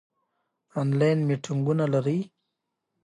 آنلاین میټینګونه لرئ؟